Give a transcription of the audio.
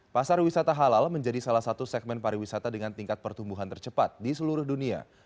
pasar wisata halal menjadi salah satu segmen pariwisata dengan tingkat pertumbuhan tercepat di seluruh dunia